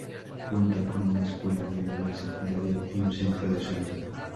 Cuenta con una escuela de nivel secundario y un centro de salud.